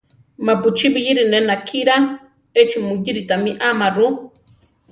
Mapu chibiyíri ne nakirá, echí mu yiri tamí ama ru.